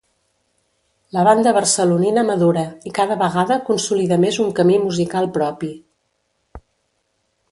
La banda barcelonina madura i cada vegada consolida més un camí musical propi.